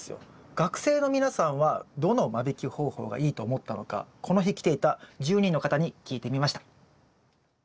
学生の皆さんはどの間引き方法がいいと思ったのかこの日来ていた１０人の方に聞いてみました。